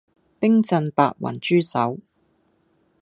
冰鎮白雲豬手